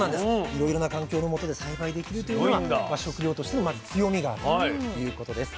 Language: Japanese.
いろいろな環境のもとで栽培できるというのは食用としてのまず強みがあるということです。